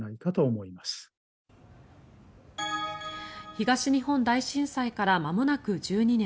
東日本大震災からまもなく１２年。